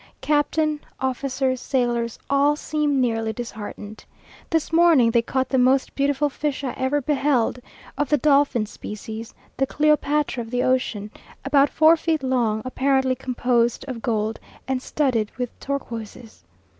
Captain, officers, sailors, all seem nearly disheartened. This morning they caught the most beautiful fish I ever beheld, of the dolphin species the Cleopatra of the ocean, about four feet long, apparently composed of gold, and studded with turquoises.